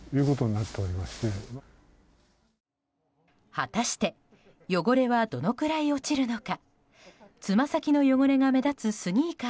果たして、汚れはどのくらい落ちるのか。